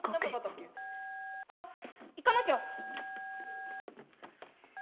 あっ行かなきゃ。